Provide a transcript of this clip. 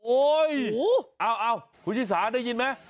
โอ้ยคุณศีรษาได้ยินมั้ย